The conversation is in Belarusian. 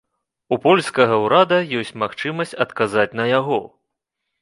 У польскага ўрада ёсць магчымасць адказаць на яго.